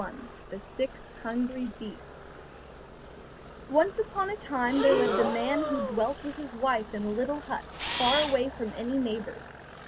] The Six Hungry Beasts Once upon a time there lived a man who dwelt with his wife in a little hut, far away from any neighbours.